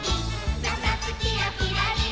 「なつなつキラキラリン！」